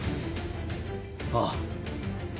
ああ。